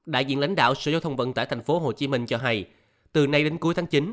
đại diện lãnh đạo sở giao thông vận tải tp hcm cho hay từ nay đến cuối tháng chín